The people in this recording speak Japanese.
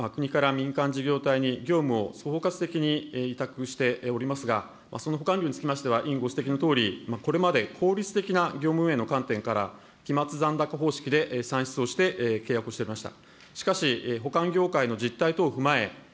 政府米の保管販売等につきましては、国から民間事業体に業務を包括的に委託しておりますが、その保管料につきましては、委員ご指摘のとおり、これまで効率的な業務運営の観点から期末残高方式で算出をして契約をしておりました。